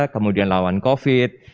kemudian lawan covid